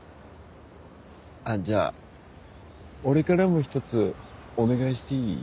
あっじゃあ俺からも１つお願いしていい？